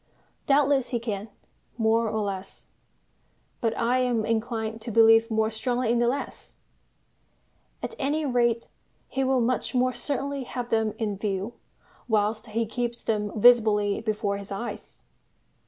Doubtless he can, more or less; but I am inclined to believe more strongly in the less. At any rate he will much more certainly have them in view whilst he keeps them visibly before his eyes.